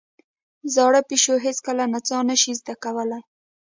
زاړه پيشو هېڅکله نڅا نه شي زده کولای.